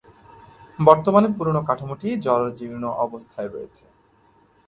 বর্তমানে, পুরানো কাঠামোটি জরাজীর্ণ অবস্থায় রয়েছে।